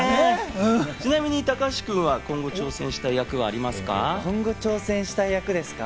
ちなみに高橋君は今後、挑戦したい役はありますか？